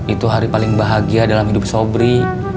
itu hari paling bahagia dalam hidup sobri